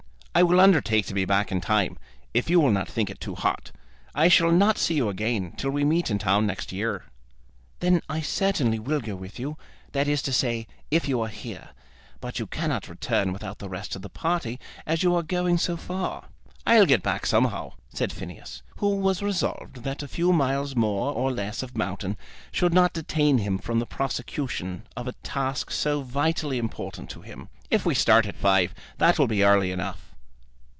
"I will undertake to be back in time, if you will not think it too hot. I shall not see you again till we meet in town next year." "Then I certainly will go with you, that is to say, if you are here. But you cannot return without the rest of the party, as you are going so far." "I'll get back somehow," said Phineas, who was resolved that a few miles more or less of mountain should not detain him from the prosecution of a task so vitally important to him. "If we start at five that will be early enough."